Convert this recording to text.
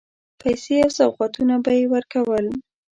پیسې او سوغاتونه به یې ورکول.